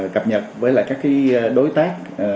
cập nhật với các đối tác